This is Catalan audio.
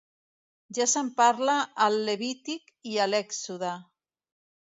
Ja se'n parla al Levític i a l'Èxode.